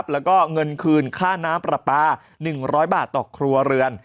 แล้วก็เงินคืนค่าน้ำปลาปลา๑๐๐บาทต่อครัวเรือน